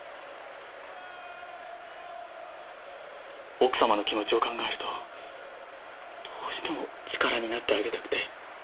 奥様の気持ちを考えるとどうしても力になってあげたくて。